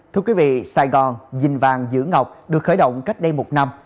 thưa quý vị sài gòn dình vàng giữ ngọc được khởi động cách đây một năm